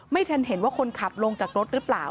ทันเห็นว่าคนขับลงจากรถหรือเปล่า